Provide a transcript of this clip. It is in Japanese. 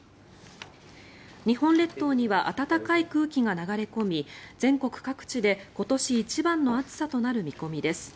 日本列島には暖かい空気が流れ込み全国各地で今年一番の暑さとなる見込みです。